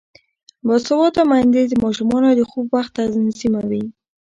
باسواده میندې د ماشومانو د خوب وخت تنظیموي.